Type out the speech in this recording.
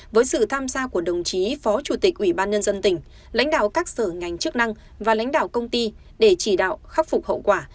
với sự tham gia của đồng chí phó chủ tịch ủy ban nhân dân tỉnh lãnh đạo các sở ngành chức năng và lãnh đạo công ty để chỉ đạo khắc phục hậu quả